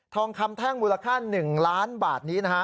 ทองคำแท่งมูลค่า๑ล้านบาทนี้นะฮะ